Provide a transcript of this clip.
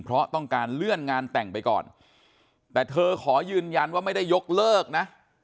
เพราะต้องการเลื่อนงานแต่งไปก่อนแต่เธอขอยืนยันว่าไม่ได้ยกเลิกนะ